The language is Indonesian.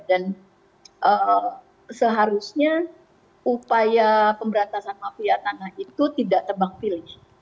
dan seharusnya upaya pemberantasan mafia tanah itu tidak terbang pilih